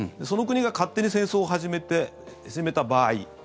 その国が勝手に戦争を始めた場合